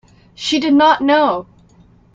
She did not know.